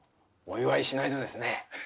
お祝いしないとですね。